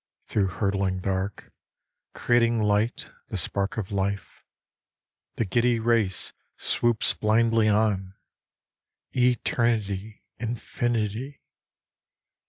Through hurtling dark, Creating light, the spark of life, The giddy race swoops blindly on : Eternity ! Infinity